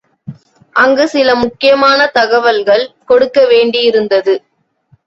அங்கு சில முக்கியமான தகவல்கள் கொடுக்கவேண்டியிருந்தது.